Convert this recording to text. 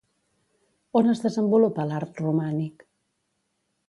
On es desenvolupa l'art romànic?